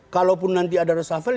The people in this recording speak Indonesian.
kalaupun nanti ada reshuffle